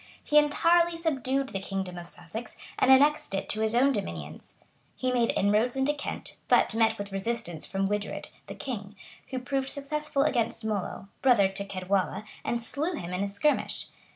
He entirely subdued the kingdom of Sussex, and annexed it to his own dominions He made inroads into Kent; but met with resistance from Widred, the king, who proved successful against Mollo, brother to Ceodwalla, and slew him in a skirmish.